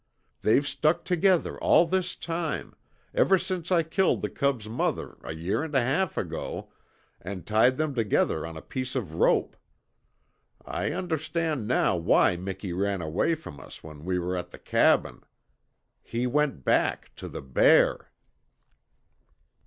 They've stuck together all this time ever since I killed the cub's mother a year and a half ago, and tied them together on a piece of rope. I understand now why Miki ran away from us when we were at the cabin. He went back to the bear."